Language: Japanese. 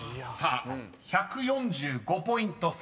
［１４５ポイント差。